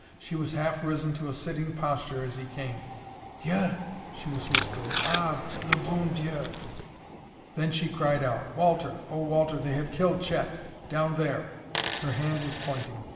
She was half risen to a sitting posture as he came. "Dieu!" she was whispering; "Ah, le bon Dieu!" Then she cried out: "Walter! Oh, Walter, they have killed Chet! Down there!" Her hand was pointing.